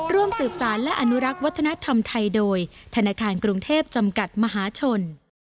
ร่วมสืบสารและอนุรักษ์วัฒนธรรมไทยโดยธนาคารกรุงเทพจำกัดมหาชน